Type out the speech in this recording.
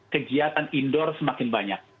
kegiatan indoor semakin banyak